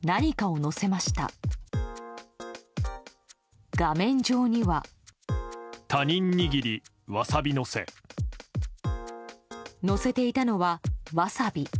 のせていたのはワサビ。